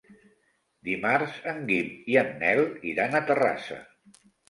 Dimarts en Guim i en Nel iran a Terrassa.